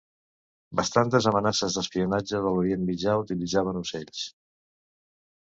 Bastantes amenaces d'espionatge de l'Orient Mitjà utilitzaven ocells.